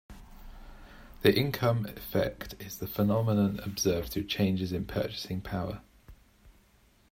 The income effect is the phenomenon observed through changes in purchasing power.